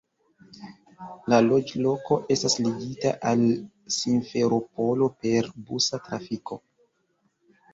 La loĝloko estas ligita al Simferopolo per busa trafiko.